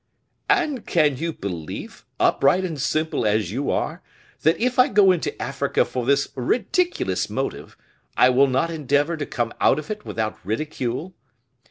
"And can you believe, upright and simple as you are, that if I go into Africa for this ridiculous motive, I will not endeavor to come out of it without ridicule?